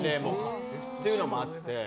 そういうのもあって。